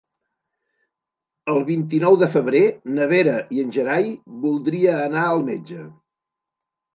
El vint-i-nou de febrer na Vera i en Gerai voldria anar al metge.